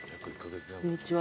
こんにちは。